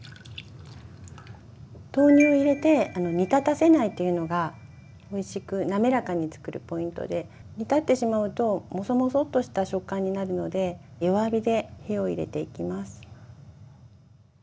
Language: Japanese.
豆乳を入れて煮立たせないというのがおいしくなめらかにつくるポイントで煮立ってしまうとモソモソっとした食感になるので弱火で火を入れていきます。